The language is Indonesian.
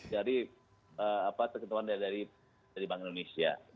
jadi apa terkenal dari bank indonesia